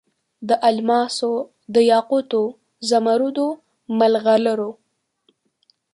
د الماسو، دیاقوتو، زمرودو، مرغلرو